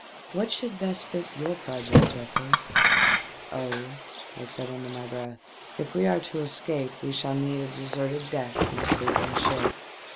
" What should best fit your project, Geoffrey ?"" Oh," said I, under my breath, " if we are to escape we shall need a deserted deck and a sleeping ship."